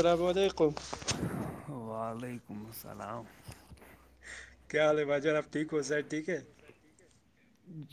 [inaudible] کیا حال بہ ھ کو سر ٹھیک ہے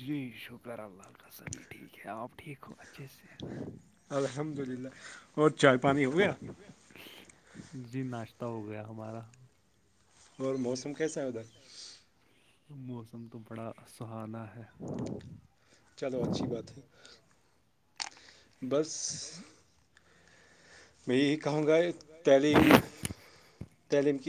جی شکر اللہ کا سبھی ٹھیک ہے ہیں آپ ٹھیک ہو اچھے سے الحمد للہ اور چائے پانی ہو گیا جی ناشتہ ہو گیا ہمارا اور موسم کیسا ہے ادھر موسم تو بڑا سہانا ہے چلو اچھی بات ہے بس میںی کہوں گا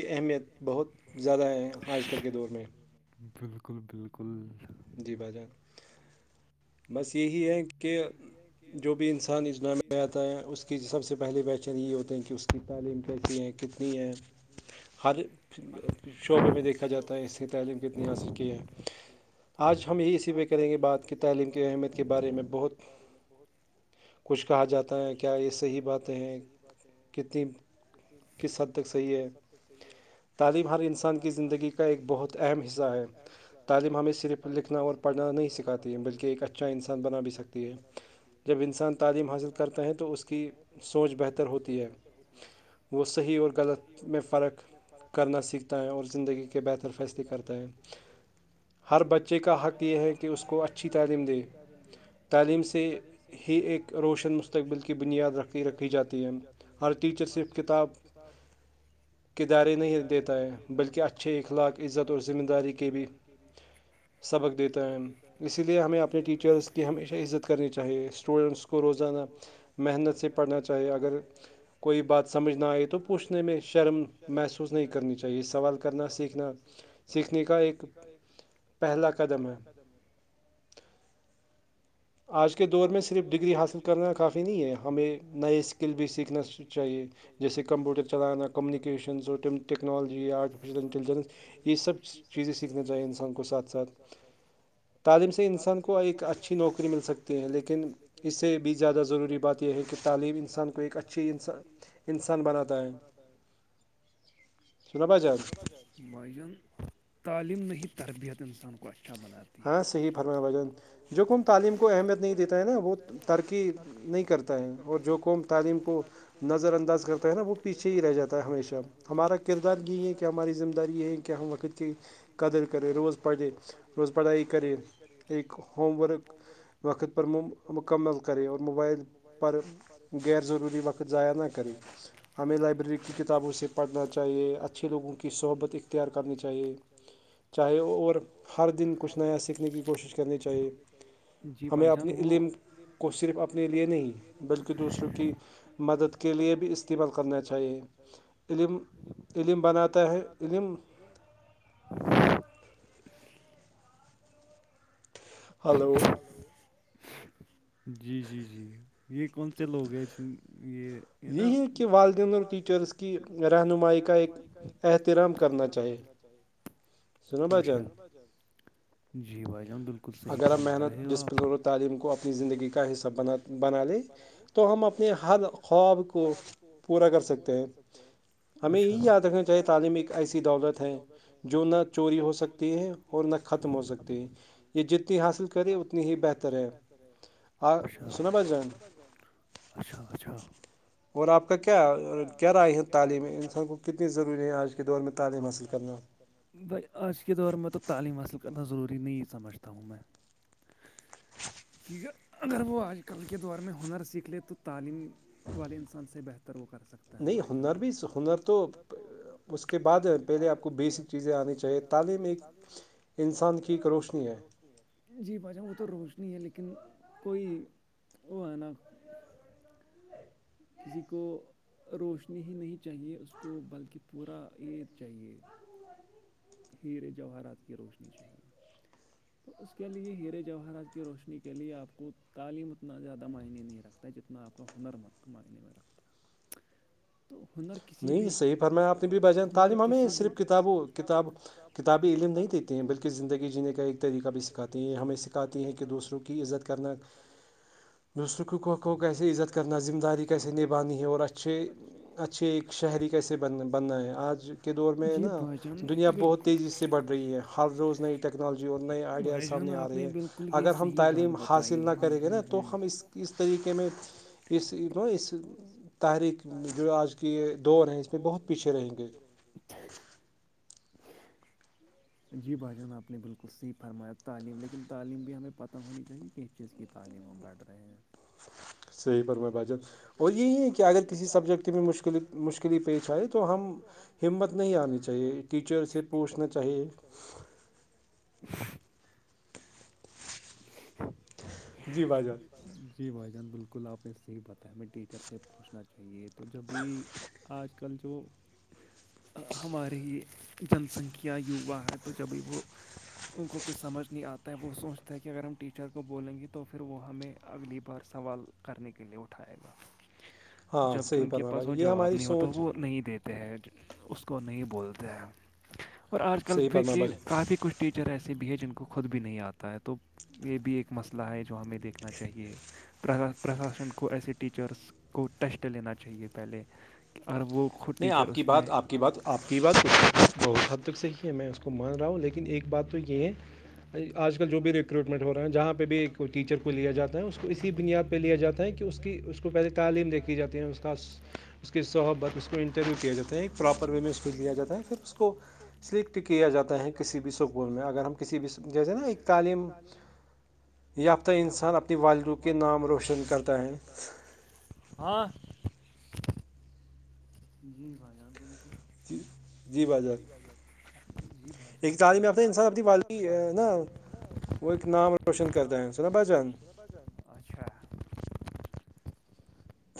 تعلیم کی اہمیت بہت زیادہ آج کل کے دور میں بالکل بالکل جی باجہ بس یہی ہے کہ جو بھی انسان اس نام میں آتا ہے اس کی سب سے پہلی بیچ یہ ہوتے ہیں کہ اس کی تعلیم کیسی ہے کتنی ہے ہر شعبے میں دیکھا جاتا ہے اس نے تعلیم کتنی حاصل کی ہے آج ہم یہ اسی پ کریں گے بات کہ تعلیم کی اہمیت کے بارے میں بہت کچھ کہا جاتا ہے کیا یہ صحیح باتیں ہیں کتنی کتنی کس حب تک صحیح ہے تعلیم ہر انسان کی زندگی کا ایک بہت اہم حصہ ہے تعلیم ہمیں صرف لکھ نا اور پڑنا نہیں سکھاتی بکہ ایک اچھا انسان بنا بھی سکتی ہے جب انسان تعلیم حاصل کرتا ہے تو اس کی سوچ بہتر ہوتی ہے بہتر ہوتی ہے وہ صحیح اور غلط میں فرق کرنا سیکھتا ہے اور زندگی کے بہتر فیصلے تے ہر بچے کا حق یہ ہے کہ اس کو اچھی تعلیم دے دمی تعلیم سے ہی ایک روشن مستقبل کی بنیاد رکھ رکھی جاتی ہے ہر ٹیچر صرف کتاب کردارے نہیں دیتا ہے بلکہ اچھے اخلاق عزت اور ذمہ داری کے بھی سبق دیتا ہے اسی لیے ہمیں اپنا اپنے ٹیچرس کی ہمیشہ عزت کرنی چاہیے اسٹوڈنٹس کو روزانہ محنت سے پڑھنا چاہیے اگر کوئی بات سمجھ نہ آئے تو پوچھنے میں شرم محسوس نہیں کرنی چاہیے سوال کرنا سیکھنا سیکھنا سیکھنے کا ایک پہلا قدم ہے خدم آج کے دور میں صرف ڈگری حاصل کرنا کافی نہیں ہے ہمیں نئے اسکل بھی سیکھنا چاہیے جیسے کمپیوٹر چلانا کمونیکیشنز ٹیکنالوجی آرٹیفیشل انٹیلیجنس یہ سب چیزیں سیکھنا چاہییں انسان کو ساتھ ساتھ تعلیم سے انسان کو ایک اچھی نوکری مل سکتا ہیں لیکن اس سے بھی زیادہ ضروری بات یہ ہے کہ تعلیم انسان کو ایک اچھی انسان انسان بناتا ہے سنا بھائی جان بھائی جان تعلیم نہیں ہی تربیت انسان کو اچھا بناتا ہے ہاں صحیح فرمایا بھ جان جو کم تعلیم کو اہمیت نہیں دیتا ہے نا وہ ترکی نہیں کرتا ہے اور جو قوم تعلیم کو نظر انداز کرتا ہے نا وہ پیچھے ہی رہ جاتا ہے ہمیشہ ہمارا کردار یہ ہے کہ ہماری ذمہ داری یہ ہے کہ ہم وقت کی قدر کر روز پٹیے روز پڑھائی کریں ایک ہوم ورک وقت پر مکمل کریں اور موبائل پر غیرضروری وقت ضائع نہ کریں ہمیں لائبریری کی کتابوں سے پڑھنا چاہیے اچھے لوگوں کی صحبت اختیار کرنی چاہیے چاہے اور ہر دن کچھ نیا سیکھنے کی کوشش کرنی چاہیے بسان وہ کو صرف اپنے لئے نہیں بلکہ دوسروں کی مدد کے لئے بھی استعمال کرنا چاہیے علم علم بناتا ہے علم جھرم ہلو جی جی جی یہ کون سے لوگ ہیں جن یہ جی والدین اور ٹیچرس کی رہنمائی کا ایک احترام کرنا ا جی بھائی جان بالکل اگر آپ محنت ڈسپلن اور تعلیم کو اپنی زندگی کا حصہ بنا بنا لیں تو ہم اپنے ہر خواب کو پورا کر سکتے ہیں ہمیں یہ یاد رکھنا چاہے تعلیم ایک ایسی دولت ہے جو نہ چوری ہو سکتی ہے اور نہ ختم ہو سکتے ہیں یہ جتنے حاصل کریں اتنی ہی بہتر ہے آ سنا بھائی جان اچھا اچھا اور آپ کا کیا کیا رائے ہے تعلیم انس کو کتنی ضروری ہے آج کے دور میں تعلیم حاصل کرنا بھائی آج کے دور میں تو تعلیم حاصل کرنا ضروری نہیں سمجھتا ہوں میں کیونکہ اگر وہ آج کل کے دور میں ہنر سیکھ لے تو تعلیم والے انسان سے بہتر وہ کر سکتا ہے بھائی جان اس کے بعد پہلے آپ کو بیسک چیزیں آنی چاہیے تعلیم انسان کی ایک روشنی جی باشا وہ تو روشنی ہے لیکن کوئی وہ ہے نا کسی کو روشنی ہی نہیں چاہیے اس کو بلکہ پورا یہ چاہیے ہیر جواہرات کی روشنی چاہیے تو اس کے لیے ہیرے جواہرات کی روشنی کے لیے آپ کو تعلیم اتنا زیادہ معنی نہیں رکھتی جتنا آپ کا ہنر مند کے معنے میں رکھتا ہے [inaudible] نہیں صحیح فرمایا آپ نے بھی بجا تعلیم ہمیں صرف کتابوں کتاب کتابیں علم نہیں دیتے ہیں بلکہ زندگی جینے کا ایک کا ایک طریقہ بھی سکھاتے ہیں ہمیں سکھاتے ہیں کہ دوسروں کی عزت کرنا دوستوں کو کیسے عزت کرنا ذمہ داری کیسے نبھانی ہے اور اچھے اچھے شہری کیسے ب بننا ہے آج کے دور میں نا دنیا بہت تیزی سے بڑھ رہی ہے ہر روز نئی ٹیکالوجی نئے آئیڈیاز سامنے آ رہی ہیں اگر ہم تعلیم حاصل نہ کریں گے نا تو ہم اس اس طریقے میں اس ن اس تحریک جو آج کی یہ دوور ہیں اس میںہ بہت پیچھے رہیں گے جی بھا جان آپ نے بالکل اس سےی فرمایا تعلیم لیکن تعلیم بھی ہمیں پتہ ہونی چاہیے کس چیز کی تعلیم ہم بڑھ رہے ہیں صحیح پرم بجان اور یہی ہے کہ اگر کسی سبجیکٹ میںشل مشکل پیش آئے تو ہم ہمت نہیں آنی چاہیے ٹیچر سے پوچنا چاہیے [inaudible] جی بھائی جان بالکل آپ نے صحیح بتایا ہمیں ٹیٹر سے پوچھنا چاہیے تو جب بھی آج کل جو ہماری جن سنکھیا یووا ہے تو جبھی وہ ان کو کچھ سمجھ نہیں آتا ہے وہ سوچ جتا ہے کہ اگر ہم ٹیچر کو بولیں گے تو پھر وہ ہمیں اگلی بار سوال کرنے کے لیے اٹھائے گا [inaudible] جبک ان کے پاس وہ جواب نہیں ہوتا وہ نہیں دیتے اس کو نہیں بولتے ہیں اور آج کل کہ کافی کچھ ٹیچر ایسے بھی ہیں جن کو خود بھی نہیں آتا ہے تو یہ بھی ایک مسئلہ ہے جو ہمیں دیکھنا چاہیے پرشاسن کو ایسے ٹیچرس کو ٹیسٹ لینا چاہیے پہلے اور وہ خود ٹیچر اس میں بات آپ کی بات آپ کی بات صحیح ہے میں بول رہا ہوں لیکن ایک بات تو یہ ہے آج کل جو بھی ریکروٹمنٹ ہو رہا ہیں جہاں پہ بھی ایک ٹیچر کو لیا جاتا ہے اس کو اسی بنیاد پہ لیا جاتا ہے کہ اس کی اس کو پہلے تعلیم دیکھی جاتی ہے اس کی صحبت اس انٹرویو کیا جاتا ہے ایک پراپر وے میں اس کوہ لیا جاتا ہے پھر اس کو سلیکٹ کیا جاتا ہے کسی بھی سب بول میں اگر ہم کسی بھی جیسے نا ایک تعلیم یافتہ انسان اپنے والد کے نام روشن کرتا ہے ہاں یہی بھائی جان بالکل جی جی بھائی جان جی بھائی جی تعلیم یافت انساننی والدی ہے وہ ایک نام روشن کرتا ہے نا بھائی جان اچھا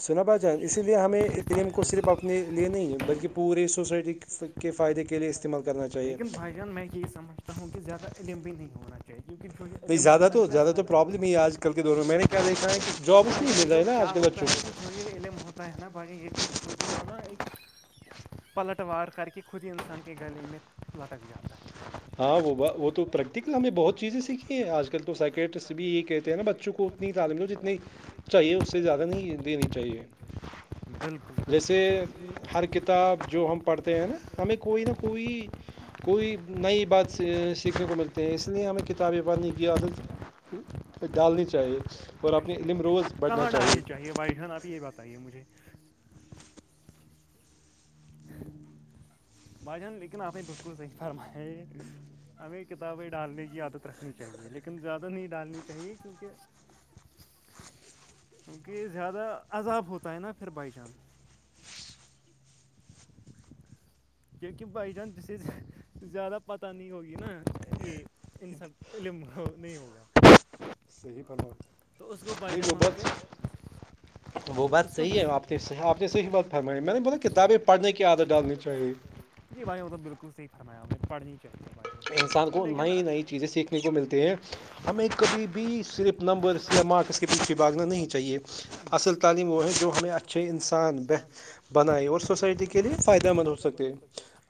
سنا بھائی جان اسی لیے ہمیں علم کو صرف اپنے لیے نہیں ہے بلکہ پوری سوسائٹی لیکن بھائی جان میں یہی سمجھتا ہوں کہ زیادہ علم بھی نہیں ہونا چاہک جو علم ہوتا ہے ناپ میں یاد ہےوں بھائی جان جو کیا ہوتا ہے کہ جو یہ علم ہوتا ہے نا باقی یہ پھر خود یہ ہونا ایک پلٹوار کر کے خود ہی انسان کے گلے میں لٹک جاتا ہے ہاں وہ وہ تو پریکٹیکل ہمیں بہت چیزیں سیکھی ہیں آج کل تو سائیکینٹسٹ بھی یہ کہتے ہیں نا بچوں کو اتنی تعلیم جتنی چاہیے اس سے زیادہ نہیں دینی چاہیے جیسے ہر کتاب جو ہم پڑھتے ہیں نا ہمیں کوئی نہ کوئی کوئی نئی بات سیکھنے کو ملتے ہیں اس لیے ہمیں کتابیں پڑھنے کی عادت ڈالنی چاہیے اور اپنی علم روز کہاں ڈالنی چاہیے بھائی جان آپ یہ بتائیے مجھے بھائی جان لیکن آپ بالکل صحیح فرمایا ہمیں کتابیں ڈالنے کی عادت رکھنی چاہیے لیکن زیادہ نہیں ڈالنی چاہیے کیونکہ کیونکہ زیادہ عذاب ہوتا ہے نا پھر بھائی چانس کیونکہ بائی چانس جسے زیادہ پتہ نہیں ہوگی نا یہ ان سب علم نہیں ہوگا تو اس کو بائی جان وہاں پہ اس کو حصہ ہی ہے آپ کو حصہ آپ صحیح بات تھا میں ملب کتابیں پڑھنے کی عادت ڈالنی چاہی نہیں بھائی وہ تو بالکل صحیح فرمایا پڑنی چاہے بھائی انسان کو نئی نئی چیزیں سیکھنے کو ملتی ہیں ہمیں کبھی بھی صرف نمبر یا مارکس کے پیچھے باگنا نہیں چاہیے اصل تعلیم وہ ہے جو ہمیں اچھے انسان بنائ اور سوسائٹی کے لیے فائدہ مند ہو سکے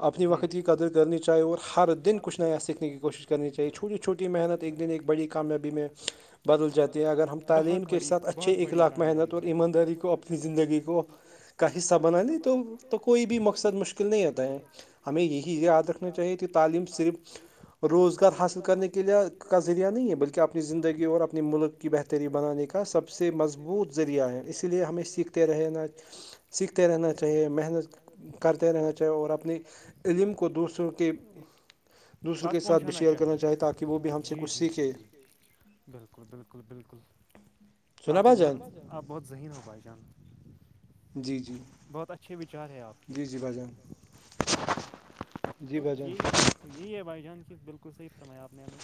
اپنے وقت کی قدر کرنی چاہیے اور ہر دن کچھ نیا سیکھنے کی کوشش کرنی چاہیے چھوٹی چھوٹی محنت ایک دن ایک بڑی کامیابی میں بدل جاتی ہیں اگر ہم تعلیم کے ساتھ اچھے اخلاق محنت اور امن داری کو اپنی زندگی کو کا حصہ بنا لے تو تو کوئی بھی مقصد مشکل نہیں ہوتا ہے ہمیں یہی یاد رکھنا چاہیے کہ تعلیم صرف روزگار حاصل کرنے کے لے کا ذریعہ نہیں ہے بلکہ اپنی زندگی اور اپنے ملک کی بہتر ری بنانے کا سب سے مضبوط ذریعہ اسی لیے ہمیں سیکھتے رہنا سیکھتے رہنا چاہیے محنت کرتے رہنا چاہیے اور اپنی علم کو دوسروں کے دوسرے کے ساتھ بھی شیئر کرنا چاہے تاکہ وہ بھی ہم سے کچھ سیکھے بالکل بالکل بالکل س ن بجان آپ بہت ذہین ہو بھائی جان جی جی بہت اچھے وچار ہے آپ کے تب یہی یہی ہے بھائی جان کی بالکل صح فرمایاپ اپنے میں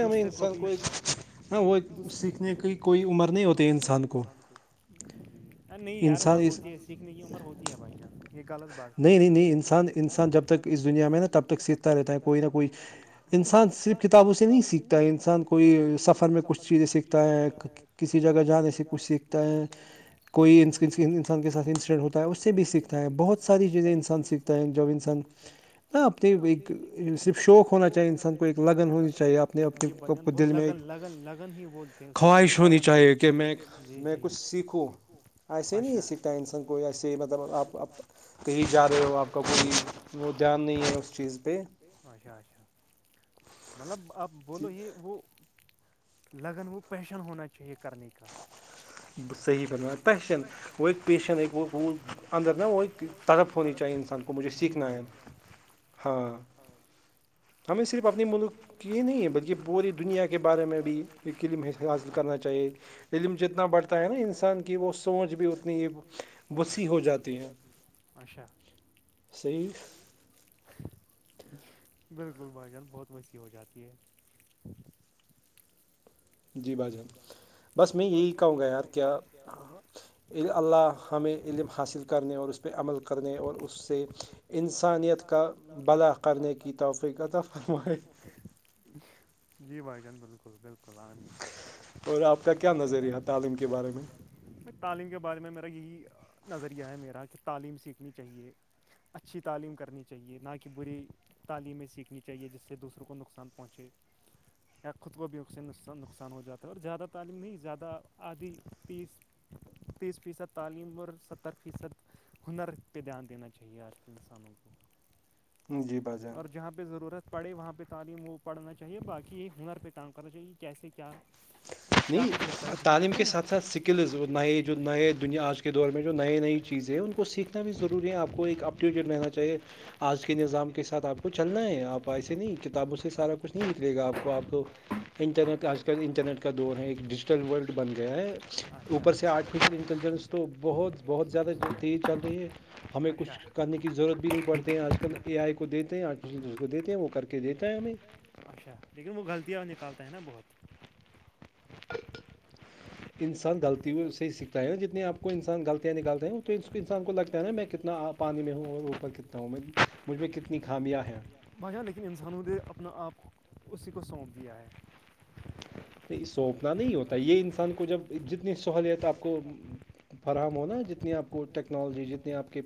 دوسرے کو بھی کوئی عمر نہیں ہوتی انسان کو ار نہیں یار عمر ہوتی ہے سیکھنے کی عمر ہوتی ہے بھائی جان یہ غلط بات خی ہے نہیں نہیں نہیں انسان انسان جب تک اس دنیا میں نا تب تک سیکھتا رہتا ہے کوئی نہ کوئی انسان صرف کتابوں سے نہیں سیکھتا ہے انسان کوئی سفر میں کچھ چیزیں سیکھتا ہے کسی جگہ جانے سے کچھ سیکھ کوئی انسان کے ساتھ انسیڈنٹ ہوتا ہے اس سے بھی سیکھتا ہے بہت بہت ساری چیزیں انسان سیکھتا ہیں جب انسان ن اپنے ایک صرف شوق ہونا چاہیے انسان کو ایک لگن ہونی چاہیے اپنے آپنے کوب کو دل میں ایک خواہش ہونی چاہیے کہ میں کچھ سیکھو ایسے ہی نہیں سیکھتا انسان کو ایسے ہی مطلب آپ کہی جا رہے ہو آپ کا کوئی وہ دھیان نہیں ہے اس چیز پہ مشا اھا مطلب آپ بولو ہی وہ لگن وہ پیشن ہونا چاہیے کرنے کا صحیح پ پیشن ایک پیشن اندر نا وہ طدف ہونی چاہیے انسان کو مجھے سیکھنا ہے ہاں ہمیں صرف اپنے ملک کی ہی نہیں ہے بلکہ پوری دنیا کے بارے میں بھی یہ علم ہے حاصل کرنا چاہیے علم جتنا بڑھتا ہے نا انسان کی وہ سوچ بھی اتنی بسی ہو جاتی ہے صحیف بالکل بھائی جان بہت مچی ہو جاتی ہے جی بجیں بس میں یہی کہوں گا یار کیا اللہ ہمیں علم حاصل کرنے اور اس پہ عمل کرنے اور اس سے انسانیت کا بلا بلا کرنے کی طقق ت جی بھائی جان بالکل بالکل آام اور آپ کا کیا نظریہ تعلیم کے بارے میں تعلیم کے بارے میں میرا یہی نظریہ ہے میرا کہ تعلیم سیکھنی چاہیے اچھی تعلیم کرنی چاہیے نہ کہ بری تعلیمیں سیکھنی چاہیے جس سے دوسروں کو نقصان پہنچے یا خود کو بھی نقصان آسان ہو جاتا ہے اور زیادہ تعلیم نہیں زیادہ آدھی پیس تیس فیصد تعلیم اور ستر فیصد ہنر پہ دھیان دینا چاہیے آج کل انسانوں کو اور جہاں پہ ضرورت پڑھے وہاں پہ تعلیم وہ پڑھنا چاہیے باقی یہ ہنر پہ کام کرنا چاہیے کہ کیسے کیا ہے [unintelligible] نہیں تعلیم کے ساتھ ساتھ سکلز نئے جو نئے دنیا آج کے دور میں جو نئے نئی چیزیں ہیں ان کو سیکھ سیکنا بھی ضروری ہے آپ کو ایک اپ ڈٹیڈ رہنا چاہیے آج کے نظامو کے ساتھ آپ کو چلنا ہے آپ ایسے نہیں کتابوں سے سارا کچھ نہیں نکلے گا آپ کو آپ کو انٹرنیٹ آج کل انٹرنیٹ کا ہیں ایک ڈیجیٹل ورلڈ بن گیا ہے اوپر سے آرٹیفیشیل انٹیلیجنس تو بہت بہت زیادہ تیز چل رہی ہے ہمیں کچھ کرنے کی ضرورت بھی نہیں پڑتے ہیں آج کل اے آئی کو دیتے ہیں آٹس کو دیتے ہیں وہ کر کے دیتا ہے ہمیں اچھا لیکن وہ غلطیاں نکالتے ہیں نا بہت انسان غلطیوں سے ہی سیکھتا ہے نا جتنی آپ کو انسان غلطیاں نکالتا ہیں تو کو انسان کو لگتا ہے نا میں کتنا آپ پانی میں ہوں اور اوپر کتنا ہوں میں مجھ میں کتنی خامیاں ہیں بھائی جان لیکن انسانوں د اپنا آپ اسی کو سونپ دیا ہے نہیں سوپنا نہیں ہوتا یہ انسان کو جب جتنی سہولت آپ کو فراہم ہونا جتنی آپ کو ٹیکنالوجی جتنی آپ کے